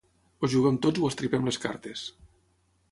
O juguem tots o estripem les cartes.